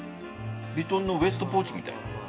ヴィトンのウエストポーチみたいな。